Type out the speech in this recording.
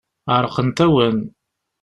Ɛerqent-awen.